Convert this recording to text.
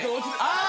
あ！